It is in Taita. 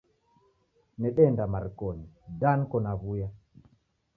Nedeenda marikonyi da niko naw'uya